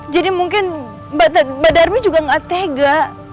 jadi mungkin mbak darmi juga gak tega